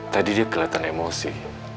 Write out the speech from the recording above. tadi dia keliatan emosi